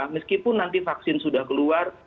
meskipun nanti vaksin sudah keluar